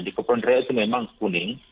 di kepulauan rio itu memang kuning